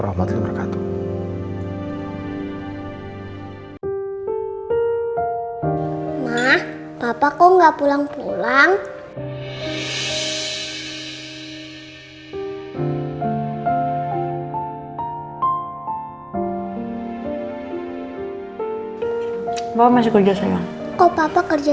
coba nanti mama telepon bapak ya